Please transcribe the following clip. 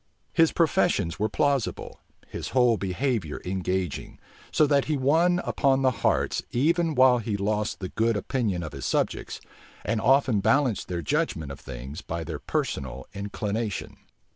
His professions were plausible, his whole behavior engaging; so that he won upon the hearts, even while he lost the good opinion of his subjects, and often balanced their judgment of things by their personal inclination.